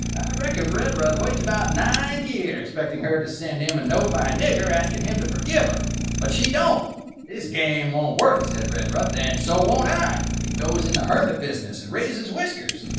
"I reckon Redruth waits about nine year expecting her to send him a note by a nigger asking him to forgive her. But she don't. 'This game won't work,' says Redruth; 'then so won't I.' And he goes in the hermit business and raises whiskers.